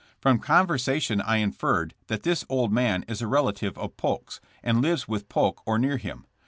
From conversation I in ferred that this old man is a relative of Polk's, and lives with Polk or near him.